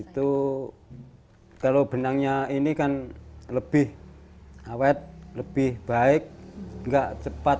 itu kalau benangnya ini kan lebih awet lebih baik enggak cepat